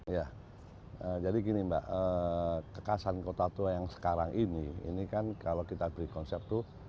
ya jadi gini mbak kekasan kota tua yang sekarang ini ini kan kalau kita beri konsep itu